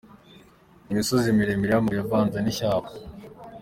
ni imisozi miremire y'amabuye avanze n'ishyamba.